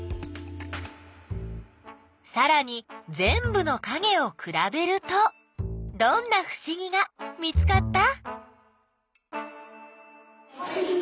さらにぜんぶのかげをくらべるとどんなふしぎが見つかった？